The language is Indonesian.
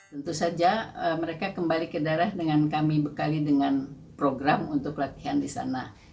tentu saja mereka kembali ke daerah dengan kami bekali dengan program untuk latihan di sana